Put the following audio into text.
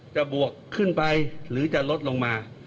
บวกขึ้นไปหรือจะลดลงมา